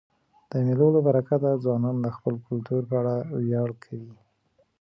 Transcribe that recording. د مېلو له برکته ځوانان د خپل کلتور په اړه ویاړ کوي.